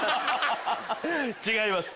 違います。